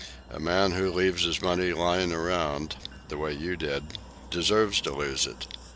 A man who leaves his money lying around, the way you did, deserves to lose it.